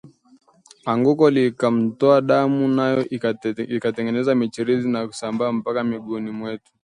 Anguko likamtoa damu, nayo ikatengeneza michirizi na kusambaa mpaka miguuni mwetu